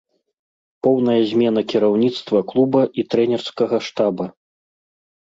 Поўная змена кіраўніцтва клуба і трэнерскага штаба.